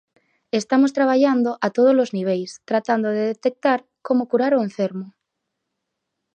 Estamos traballando a todos os niveis tratando de detectar como curar o enfermo.